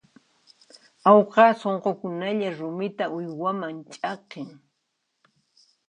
Awqa sunqukunalla rumita uywaman ch'aqin.